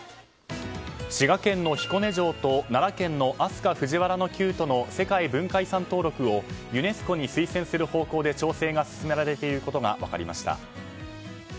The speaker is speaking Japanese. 滋賀県の彦根城と奈良県の飛鳥・藤原の宮都の世界文化遺産登録をユネスコに推薦する方向で調整が進められていることが分かりました。